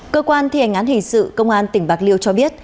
cơ quan thi hành án hình sự công an tỉnh bạc liêu cho biết